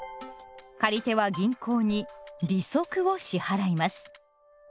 借り手は銀行に「利息」を支払います。